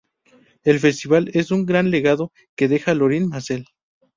El festival es un gran legado que deja Lorin Maazel.